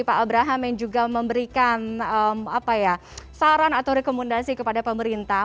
pak abraham yang juga memberikan saran atau rekomendasi kepada pemerintah